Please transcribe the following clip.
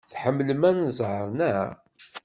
Tḥemmlem anẓar, naɣ?